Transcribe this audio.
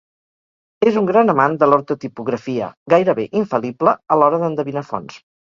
És un gran amant de l'ortotipografia, gairebé infal·lible a l'hora d'endevinar fonts.